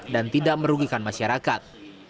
dan tidak merugikan masyarakat